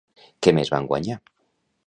Què més van guanyar?